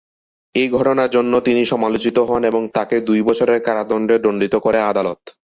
এই ঘটনার জন্য তিনি সমালোচিত হন এবং তাকে দুই বছরের কারাদণ্ডে দণ্ডিত করে আদালত।